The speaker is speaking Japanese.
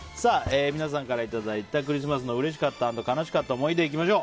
皆さんからいただいたクリスマスのうれしかった＆悲しかった思い出です。